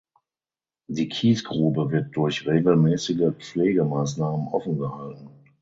Die Kiesgrube wird durch regelmäßige Pflegemaßnahmen offen gehalten.